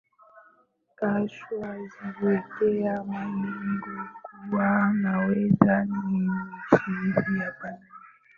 kasha jiwekea malengo kuwa naweza ni nicheze hapa ili ni